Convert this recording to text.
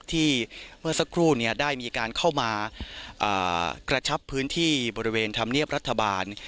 เมื่อสักครู่ได้มีการเข้ามากระชับพื้นที่บริเวณธรรมเนียบรัฐบาล